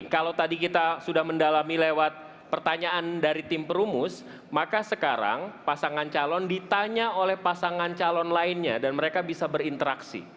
kalau tadi kita sudah mendalami lewat pertanyaan dari tim perumus maka sekarang pasangan calon ditanya oleh pasangan calon lainnya dan mereka bisa berinteraksi